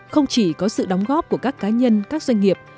không chỉ có sự đóng góp của các cá nhân các doanh nghiệp